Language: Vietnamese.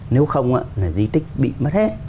nếu không là di tích bị mất hết